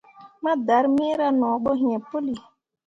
Ma darmeera no bo iŋ puli.